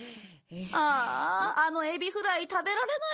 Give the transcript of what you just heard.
あああのエビフライ食べられないのか。